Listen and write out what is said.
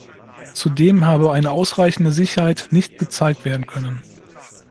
Zudem habe eine ausreichende Sicherheit nicht gezeigt werden können.